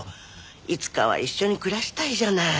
いつかは一緒に暮らしたいじゃない。